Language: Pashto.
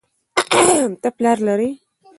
ته پلار لرې